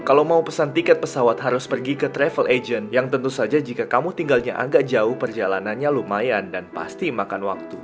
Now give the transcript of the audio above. kalau mau pesan tiket pesawat harus pergi ke travel agent yang tentu saja jika kamu tinggalnya agak jauh perjalanannya lumayan dan pasti makan waktu